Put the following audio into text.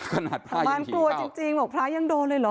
ขนาดพระยังผีเข้าบ้านกลัวจริงพระยังโดนเลยเหรอ